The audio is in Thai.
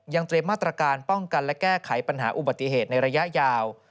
เตรียมมาตรการป้องกันและแก้ไขปัญหาอุบัติเหตุในระยะยาว